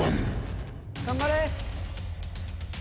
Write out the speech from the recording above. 頑張れ！